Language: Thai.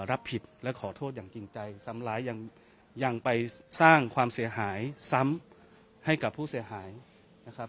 รับผิดและขอโทษอย่างจริงใจซ้ำร้ายยังยังไปสร้างความเสียหายซ้ำให้กับผู้เสียหายนะครับ